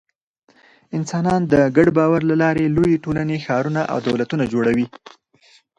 انسانان د ګډ باور له لارې لویې ټولنې، ښارونه او دولتونه جوړوي.